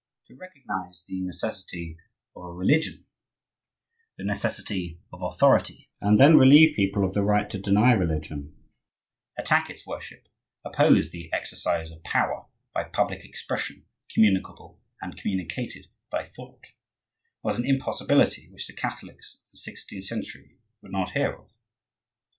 To recognize the necessity of a religion, the necessity of authority, and then to leave to subjects the right to deny religion, attack its worship, oppose the exercise of power by public expression communicable and communicated by thought, was an impossibility which the Catholics of the sixteenth century would not hear of.